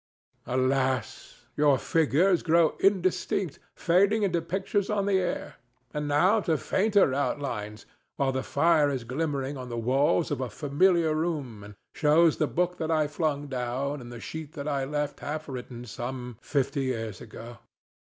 Alas! your figures grow indistinct, fading into pictures on the air, and now to fainter outlines, while the fire is glimmering on the walls of a familiar room, and shows the book that I flung down and the sheet that I left half written some fifty years ago.